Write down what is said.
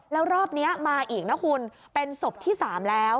แล้วรอบนี้มาอีกนะคุณเป็นศพที่๓แล้ว